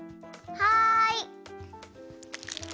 はい！